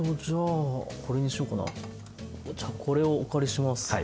じゃあこれをお借りします。